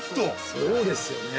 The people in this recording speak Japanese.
◆そうですよね。